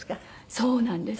そうなんです。